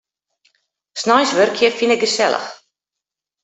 Sneins wurkje fyn ik gesellich.